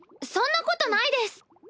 そんなことないです！